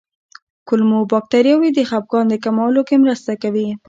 کولمو بکتریاوې د خپګان د کمولو کې مرسته کوي.